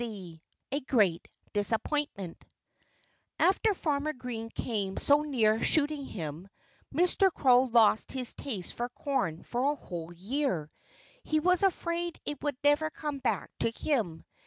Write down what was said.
V A GREAT DISAPPOINTMENT After Farmer Green came so near shooting him, Mr. Crow lost his taste for corn for a whole year. He was afraid it would never come back to him.